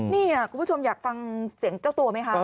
นี่คุณผู้ชมอยากฟังเสียงเจ้าตัวไหมคะ